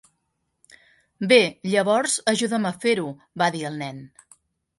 "Bé, llavors ajuda'm a fer-ho", va dir el nen.